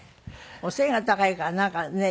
お背が高いからなんかねえ